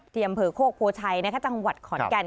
เที่ยมเผลอโคกพูชัยในข้าวจังหวัดขอนแก่น